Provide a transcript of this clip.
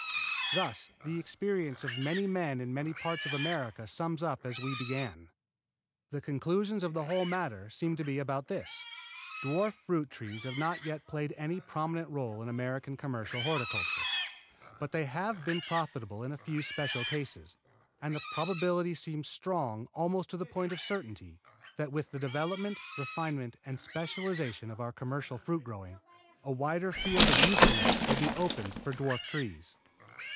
Thus the experience of many men in many parts of America sums up as we began. The conclusion of the whole matter seems to be about this: Dwarf fruit trees have not yet played any prominent role in American commercial horticulture; but they have been profitable in a few special cases, and the probability seems strong almost to the point of certainty that, with the development, refinement and specialization of our commercial fruit growing, a wider field of usefulness will be opened for dwarf trees.